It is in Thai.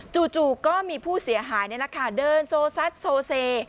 จู่ก็มีผู้เสียหายนี่แหละค่ะเดินโซซัดโซเซ